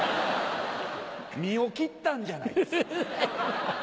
身を切ったんじゃないですか。